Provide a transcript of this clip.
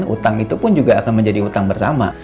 utang itu pun juga akan menjadi utang bersama